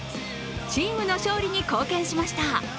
チームの勝利に貢献しました。